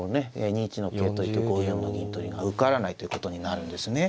２一の桂取りと５四の銀取りが受からないということになるんですね。